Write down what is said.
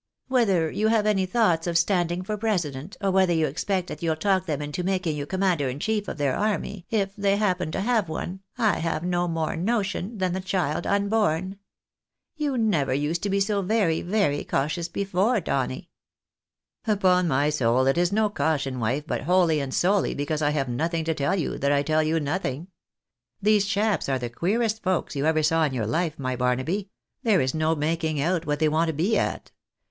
Whether you have any thoughts of standing for president, or whether you expect that you'll talk them into making you commander in chief of their army, if they happen to have one, I have no more notion than the child unborn. You never used to be so very, very cautious before, Donny." " Upon my soul it is no caution, wife, but wholly and solely because I have nothing to tell you, that I tell you nothing. These chaps are the queerest folks you ever saw in your life, my Barnaby, there is no making out what they want to be at.